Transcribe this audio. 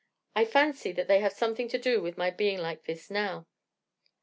I fancy that they have something to do with my being like this now.